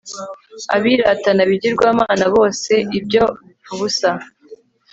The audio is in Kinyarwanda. abiratana bigirwamana bose ibyo bipfabusa